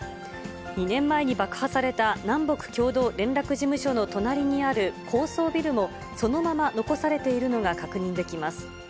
２年前に爆破された南北共同連絡事務所の隣にある高層ビルも、そのまま残されているのが確認できます。